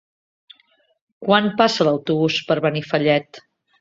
Quan passa l'autobús per Benifallet?